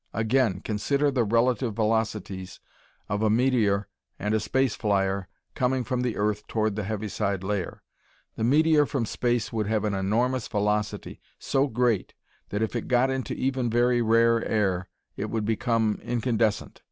Again, consider the relative velocities of a meteor and a space flyer coming from the earth toward the heaviside layer. The meteor from space would have an enormous velocity, so great that if it got into even very rare air, it would become incandescent.